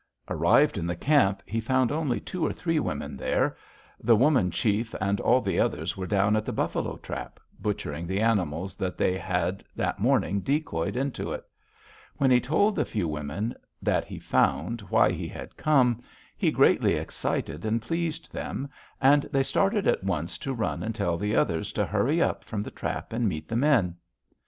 "Arrived in the camp, he found only two or three women there; the woman chief and all the others were down at the buffalo trap, butchering the animals that they had that morning decoyed into it. When he told the few women that he found why he had come, he greatly excited and pleased them, and they started at once to run and tell the others to hurry up from the trap and meet the men.